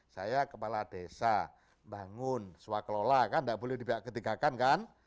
saya kepala desa bangun swaklola kan enggak boleh dibiarkan ketiga kan